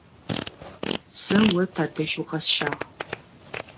Сэ о тадэжь укъэсщагъ.